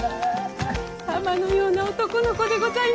玉のような男の子でございます。